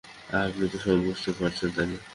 আপনি তো সব বুঝতে পারছেন, তাই না?